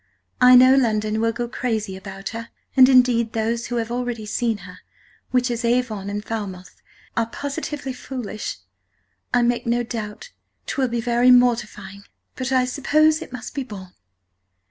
I know London will go Crazy about her, and, indeed, those who have allready seen her, which is Avon and Falmouth, are positively Foolish. I make no doubtt 'twill be very mortifying, but I suppose it must be borne.